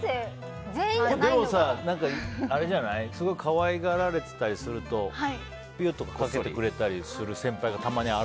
でもさすごい可愛がられてたりするとピュッとかけてくれる先輩がああ。